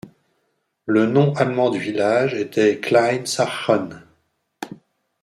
Le nom allemand du village était Klein-Särchen.